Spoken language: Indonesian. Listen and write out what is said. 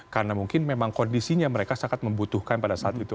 karena mungkin memang kondisinya mereka sangat membutuhkan pada saat itu